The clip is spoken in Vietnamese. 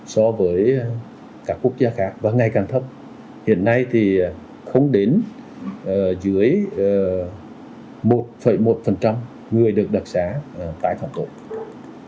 so với các quốc gia khác và ngày càng thấp hiện nay thì không đến dưới một một người được đặc xá tái phạm tội